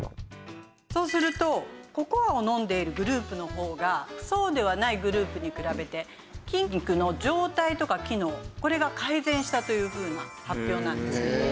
そうするとココアを飲んでいるグループの方がそうではないグループに比べて筋肉の状態とか機能これが改善したというふうな発表なんですね。